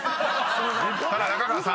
［ただ中川さん